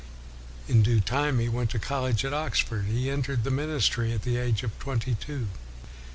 In due time he went to college at Ox ford, and entered the ministry at the age of twenty two.